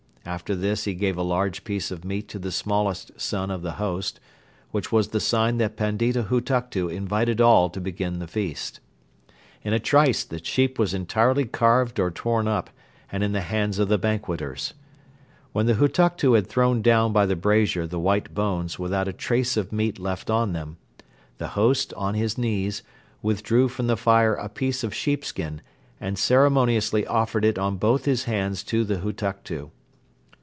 After this he gave a large piece of meat to the smallest son of the host, which was the sign that Pandita Hutuktu invited all to begin the feast. In a trice the sheep was entirely carved or torn up and in the hands of the banqueters. When the Hutuktu had thrown down by the brazier the white bones without a trace of meat left on them, the host on his knees withdrew from the fire a piece of sheepskin and ceremoniously offered it on both his hands to the Hutuktu.